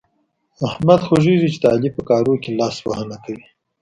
د احمد غره خوږېږي چې د علي په کارو کې لاسوهنه کوي.